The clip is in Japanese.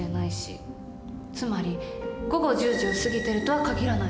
つまり午後１０時を過ぎてるとは限らない。